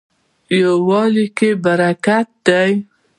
یووالي کې برکت دی